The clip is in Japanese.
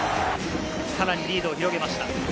さらにリードを広げました。